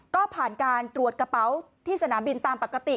ก็ผ่านการตรวจกระเป๋าที่สนามบินตามปกติ